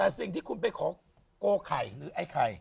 แต่สิ่งที่คุณไปขอโกไข่หรือไอ้ไข่